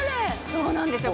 そうなんですよ。